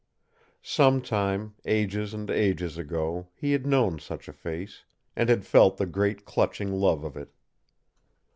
Some time, ages and ages ago, he had known such a face, and had felt the great clutching love of it.